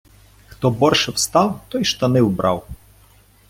хто борше встав, той штани вбрав